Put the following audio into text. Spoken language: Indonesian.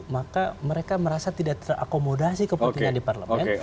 maka mereka merasa tidak terakomodasi kepentingan di parlemen